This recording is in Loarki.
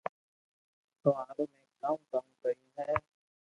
تو ھارو ۾ ڪاو ڪاو ڪريو ھي